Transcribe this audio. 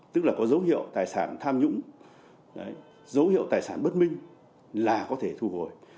tức là có dấu hiệu tài sản tham nhũng dấu hiệu tài sản bất minh là có thể thu hồi